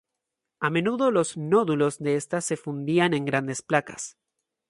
A menudo los nódulos de esta se fundían en grandes placas.